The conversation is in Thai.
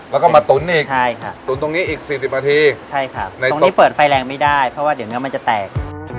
แล้วก็มาตุ๋นอีกใช่ค่ะตุ๋นตรงนี้อีก๔๐นาทีใช่ครับตรงนี้เปิดไฟแรงไม่ได้เพราะว่าเดี๋ยวเนื้อมันจะแตก